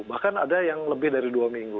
bahkan ada yang lebih dari dua minggu